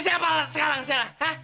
siapa sekarang salah